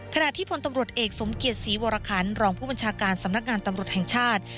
ขณะที่พลตำรวจเอกสมเกียจศรีวรคันรองผู้บัญชาการสำนักงานตำรวจแห่งชาติ